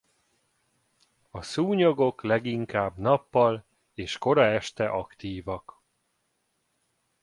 A szúnyogok leginkább nappal és kora este aktívak.